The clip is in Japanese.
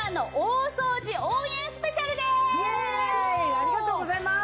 ありがとうございます。